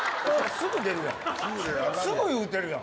すぐ言うてるやん。